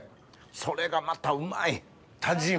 それがまたうまい。